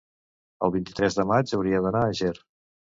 el vint-i-tres de maig hauria d'anar a Ger.